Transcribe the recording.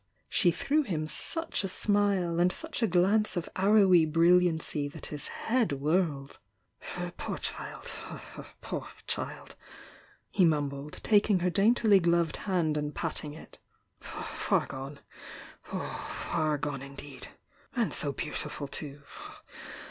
She threw him such a smile, and such a glance of arrowy brilliancy that his head whirled. "Poor child, poor child!" he mumbled, taking her daintily gloved hand and patting it. "Far gone! — far gone, indeed! And so beautiful, too!